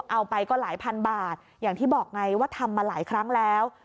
ไปก็หลายพันบาทอย่างที่บอกไงว่าทำมาหลายครั้งแล้ว